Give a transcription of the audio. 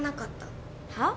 はっ？